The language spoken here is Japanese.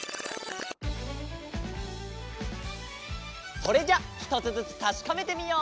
それじゃあひとつずつたしかめてみよう！